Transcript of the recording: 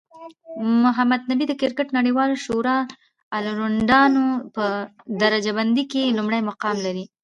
محمد نبي د کرکټ نړیوالی شورا الرونډرانو په درجه بندۍ کې لومړی مقام لري